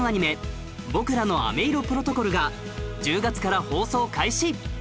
『僕らの雨いろプロトコル』が１０月から放送開始